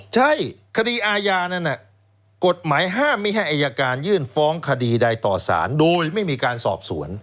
ใช่คดีอาญานั้นกฎหมายห้ามไม่ให้อายการยื่นฟ้องคดีใดต่อสารโดยไม่มีการสอบสวน